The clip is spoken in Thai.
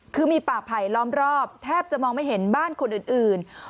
คือมีป่าไผลล้อมรอบแทบจะมองไม่เห็นบ้านคนอื่น